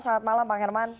selamat malam pak herman